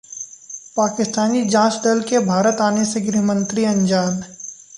पाकिस्तानी जांच दल के भारत आने से गृहमंत्री अनजान